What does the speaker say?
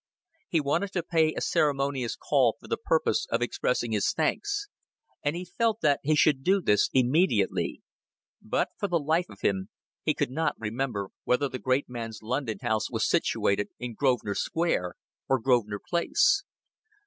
He wanted to pay a ceremonious call for the purpose of expressing his thanks, and he felt that he should do this immediately; but for the life of him he could not remember whether the great man's London house was situated in Grosvenor Square or Grosvenor Place.